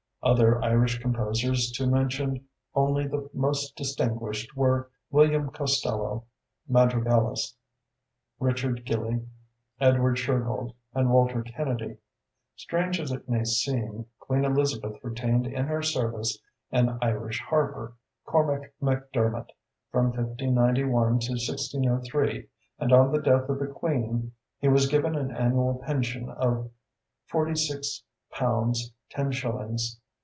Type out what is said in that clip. Other Irish composers, to mention only the most distinguished, were William Costello (madrigalist), Richard Gillie, Edward Shergold, and Walter Kennedy. Strange as it may seem, Queen Elizabeth retained in her service an Irish harper, Cormac MacDermot, from 1591 to 1603, and on the death of the queen he was given an annual pension of £46 10s. 10d.